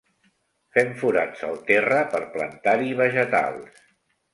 Fem forats al terra per plantar-hi vegetals.